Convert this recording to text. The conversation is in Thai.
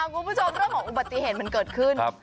คุณผู้ชมเรื่องของอุบัติเหตุมันเกิดขึ้น